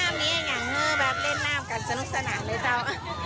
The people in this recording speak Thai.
นี้อย่างมือแบบเล่นน้ำกันสนุกสนานเลยเจ้า